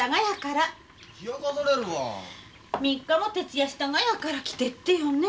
３日も徹夜したがやから着てってよね。